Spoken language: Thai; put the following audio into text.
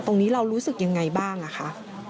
ตรงนี้เรารู้สึกยังไงบ้างค่ะ